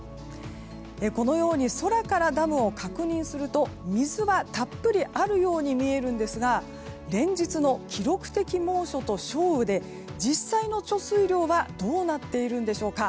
このように空からダムを確認すると水はたっぷりあるように見えるんですが連日の記録的猛暑と少雨で実際の貯水量はどうなっているのでしょうか。